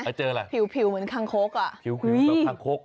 ยังเจออะไรรู้ไหมผิวเหมือนคางคกอะคางคก